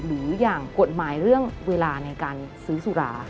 หรืออย่างกฎหมายเรื่องเวลาในการซื้อสุรา